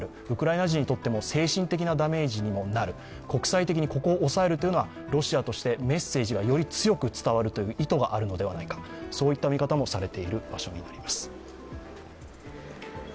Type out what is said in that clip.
ウクライナ人にとっても精神的なダメージにもなる、国際的にここを抑えるというのはメッセージとしてより強く伝わるという意図があるのではないかといった見方もされている場所です。